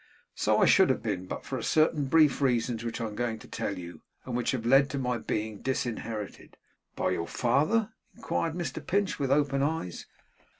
So I should have been, but for certain brief reasons which I am going to tell you, and which have led to my being disinherited.' 'By your father?' inquired Mr Pinch, with open eyes.